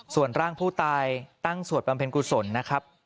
ส่วนร่างผู้ตายตั้งสวดบำเพ็ญกุศลนะครับ